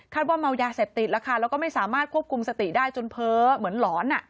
ว่าเมายาเสพติดแล้วค่ะแล้วก็ไม่สามารถควบคุมสติได้จนเพ้อเหมือนหลอน